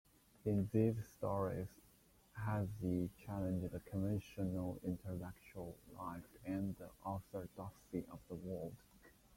In these stories, Hesse challenged conventional intellectual life and the orthodoxy of the world.